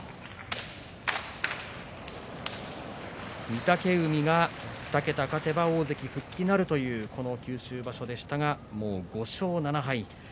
御嶽海が２桁勝てば大関復帰なるというこの九州場所でしたがもう５勝７敗。